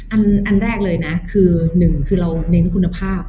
อันแรกเลยนะคือหนึ่งคือเราเน้นคุณภาพ